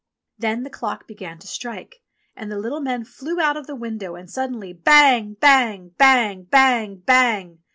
Then the clock began to strike, and the little men flew out of the window and suddenly "Bang! bang! bang! bang! bang! bang!